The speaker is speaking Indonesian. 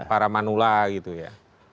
para manula gitu ya